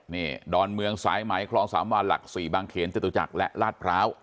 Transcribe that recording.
นี่ดอนเมืองสายไหมคลองสามวานหลัก๔บางเขนจตุจักรและลาดพร้าว